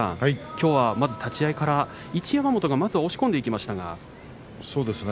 きょうはまず立ち合いから一山本がまず押し込んでいきましたが。